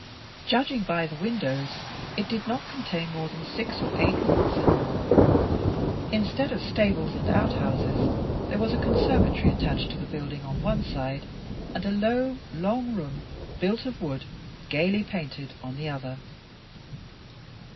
Judging by the windows, it did not contain more than six or eight rooms in all. Instead of stables and outhouses, there was a conservatory attached to the building on one side, and a low, long room, built of wood, gayly painted, on the other.